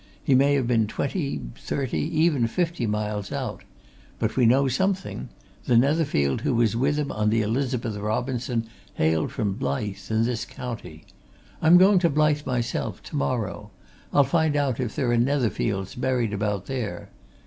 He may have been twenty, thirty, even fifty miles out. But we know something the Netherfield who was with him on the Elizabeth Robinson hailed from Blyth, in this county. I'm going to Blyth myself tomorrow; I'll find out if there are Netherfields buried about there.